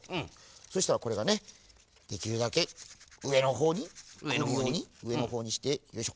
そしたらこれがねできるだけうえのほうにくるようにうえのほうにしてよいしょ。